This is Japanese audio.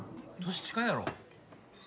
年近いやろ。